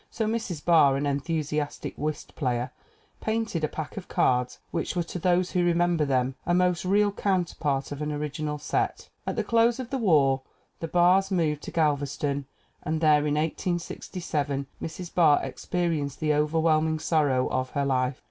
So Mrs. Barr, an enthusiastic whist player, painted a pack of cards, which were to those who remember them a most real counterpart of an original set. At the close of the war the Barrs moved to Galves ton, and there, in 1867, Mrs. Barr experienced the overwhelming sorrow of her life.